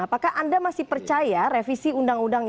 apakah anda masih percaya revisi undang undang ini